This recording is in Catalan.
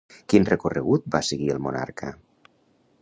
Quin recorregut va seguir el monarca?